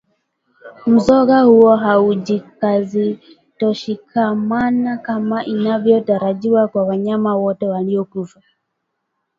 Mzoga huo haujikazikutoshikamana kama inavyotarajiwa kwa wanyama wote waliokufa